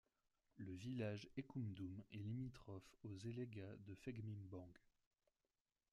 Le village Ekoumdoum est limitrophe aux Eléga de fegmimbang.